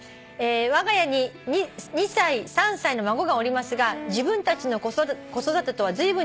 「わが家に２歳３歳の孫がおりますが自分たちの子育てとはずいぶん違っています」